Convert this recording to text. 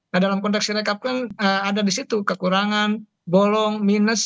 nah dalam konteks sirekap kan ada di situ kekurangan bolong minus